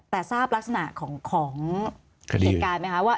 แต่ทราบลักษณะของเหตุการณ์ไหมคะว่า